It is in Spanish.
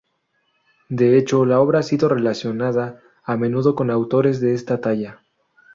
De hecho, la obra ha sido relacionada a menudo con autores de esta talla.